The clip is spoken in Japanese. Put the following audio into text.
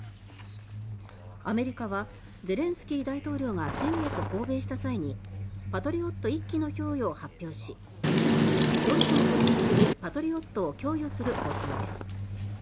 アメリカはゼレンスキー大統領が先月訪米した際にパトリオット１基の供与を発表しドイツも保有するパトリオットを供与する方針です。